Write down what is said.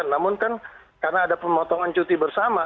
namun kan karena ada pemotongan cuti bersama